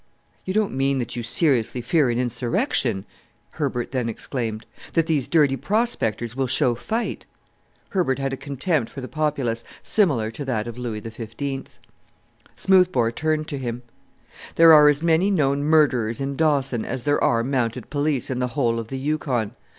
"You don't mean that you seriously fear an insurrection," Herbert then exclaimed; "that these dirty prospectors will show fight?" Herbert had a contempt for the populace similar to that of Louis XV. Smoothbore turned to him. "There are as many known murderers in Dawson as there are mounted police in the whole of the Yukon.